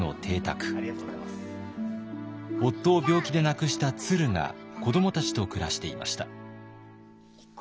夫を病気で亡くしたツルが子どもたちと暮らしていました。